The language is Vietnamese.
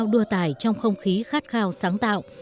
cùng nhau đua tài trong không khí khát khao sáng tạo